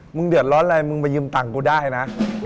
เดือดร้อนอะไรมึงไปยืมตังค์กูได้นะ